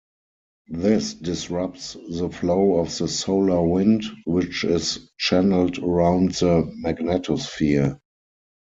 This disrupts the flow of the solar wind, which is channelled around the magnetosphere.